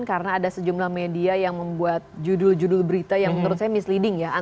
karena ada sejumlah media yang membuat judul judul berita yang menurut saya misleading ya